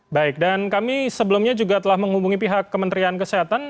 baik dan kami sebelumnya juga telah menghubungi pihak kementerian kesehatan